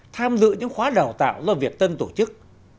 tham dự những khóa đào tạo do việt tân tổ chức